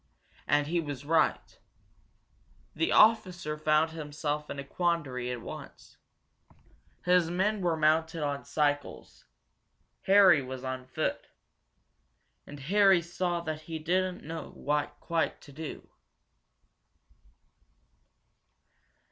And he was right. The officer found himself in a quandary at once. His men were mounted on cycles; Harry was on foot. And Harry saw that he didn't quite know what to do.